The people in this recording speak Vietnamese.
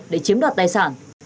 để chiếm đạt tài sản